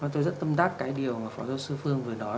tôi rất tâm đắc cái điều mà phó giáo sư phương vừa nói